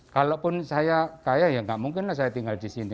kalaupun saya kaya ya nggak mungkin lah saya tinggal di sini